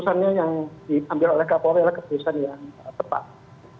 kesannya yang diambil oleh kapolri adalah keputusan yang tepat